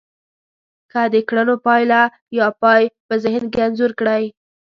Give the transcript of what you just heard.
که د کړنو پايله يا پای په ذهن کې انځور کړی.